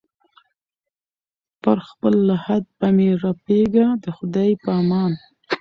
پر خپل لحد به مي رپېږمه د خدای په امان